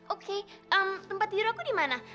oke tempat tidur aku dimana